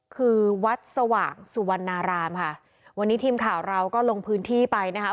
คือวัดสว่างสุวรรณารามค่ะวันนี้ทีมข่าวเราก็ลงพื้นที่ไปนะคะ